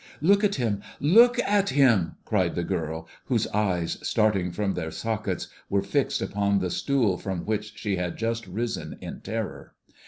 "Look at him! look at him!" cried the girl, whose eyes, starting from their sockets, were fixed upon the stool from which she had just risen in terror.